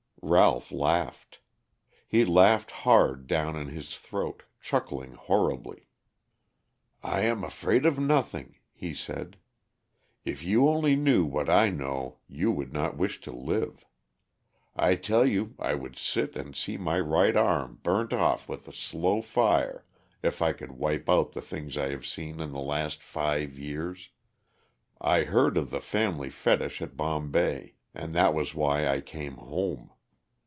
Ralph laughed. He laughed hard down in his throat, chuckling horribly. "I am afraid of nothing," he said; "if you only knew what I know you would not wish to live. I tell you I would sit and see my right arm burnt off with slow fire if I could wipe out the things I have seen in the last five years! I heard of the family fetish at Bombay, and that was why I came home.